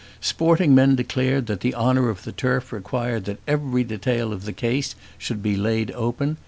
Sporting men declared that the honour of the turf required that every detail of the case should be laid open.